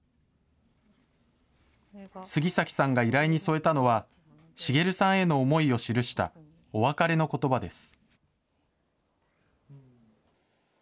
杉崎さんが依頼に添えたのは、滋さんへの思いを記したお別れのことばです。